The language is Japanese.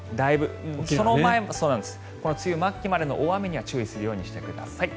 この梅雨末期までの大雨には注意するようにしてください。